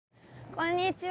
こんにちは。